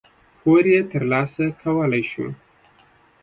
پور یې ترلاسه کولای شو.